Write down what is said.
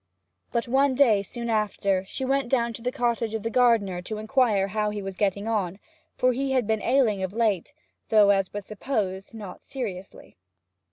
But one day, soon after, she went down to the cottage of the gardener to inquire how he was getting on, for he had been ailing of late, though, as was supposed, not seriously.